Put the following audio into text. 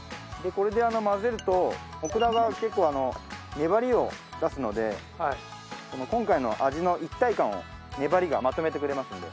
これで混ぜるとオクラが結構粘りを出すので今回の味の一体感を粘りがまとめてくれますんで。